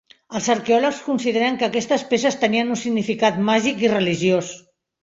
Els arqueòlegs consideren que aquestes peces tenien un significat màgic i religiós.